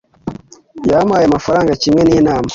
yampaye amafaranga kimwe ninama